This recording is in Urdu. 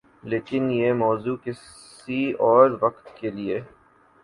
لیکن یہ موضوع کسی اور وقت کے لئے۔